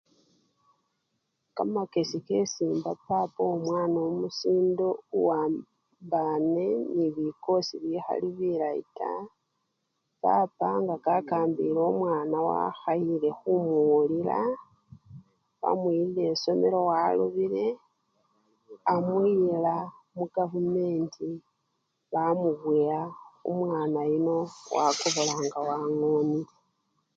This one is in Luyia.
Kamakesi kesi emba papa womwana omusinde owambane nebikosi bikhali bilayi taa, papa nga kambile omwana wakhayile khumuwulila, wamuyilile esomelo walobile, amuyila mukavumenti bamuboya, omwana yuno wakobola nga wangonele.